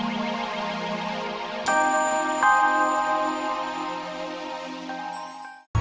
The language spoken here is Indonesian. nyantai dia eang